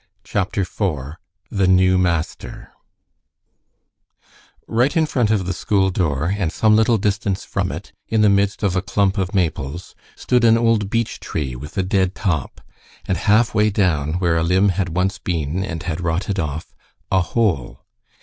CHAPTER IV THE NEW MASTER Right in front of the school door, and some little distance from it, in the midst of a clump of maples, stood an old beech tree with a dead top, and half way down where a limb had once been and had rotted off, a hole.